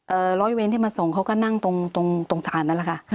เอ่อร้อยเว้นที่มาส่งเขาก็นั่งตรงตรงตรงศาลนั้นแหละค่ะค่ะ